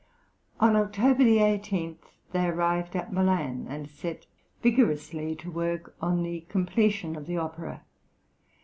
On October 18 they arrived at Milan, and set vigorously to work on the completion of the opera.